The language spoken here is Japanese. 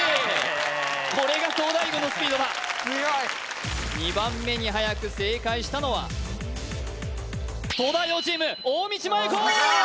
これが東大王のスピードだ・強い２番目にはやく正解したのは東大王チーム大道麻優子